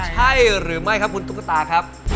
ใช่หรือไม่ครับคุณตุ๊กตาครับ